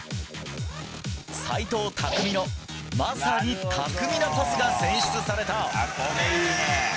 斎藤拓実のまさに巧みなパスが選出された。